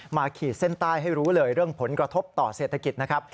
ขีดเส้นใต้ให้รู้เลยเรื่องผลกระทบต่อเศรษฐกิจนะครับ